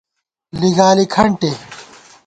لِگالی کھنٹے